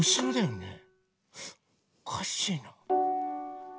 おかしいな。